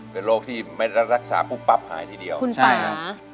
เป็นโรคที่ไม่รักษาปุ๊บปั๊บหายทีเดียวใช่ครับ